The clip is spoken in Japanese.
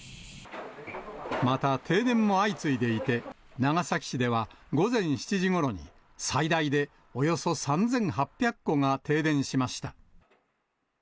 また、停電も相次いでいて、長崎市では午前７時ごろに、最大でおよそ３８００戸が停電しました。